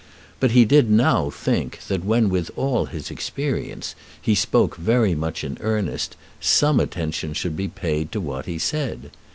But he did now think that when, with all his experience, he spoke very much in earnest, some attention should be paid to what he said.